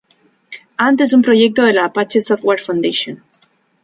Ant es un proyecto de la Apache Software Foundation.